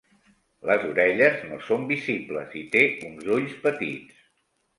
Les orelles no són visibles i té uns ulls petits.